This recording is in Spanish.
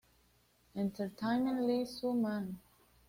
Entertainment, Lee Soo-man.